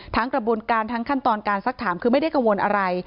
กระบวนการทั้งขั้นตอนการสักถามคือไม่ได้กังวลอะไร